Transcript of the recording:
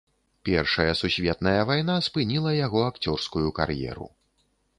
Першая сусветная вайна спыніла яго акцёрскую кар'еру.